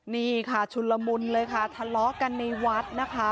นี่ค่ะชุนละมุนเลยค่ะทะเลาะกันในวัดนะคะ